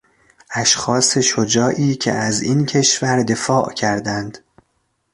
اشخاص شجاعی که از این کشور دفاع کردند